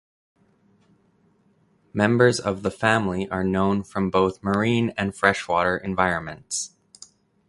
Members of the family are known from both marine and freshwater environments.